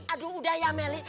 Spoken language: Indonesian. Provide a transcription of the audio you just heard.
aduh udah ya meli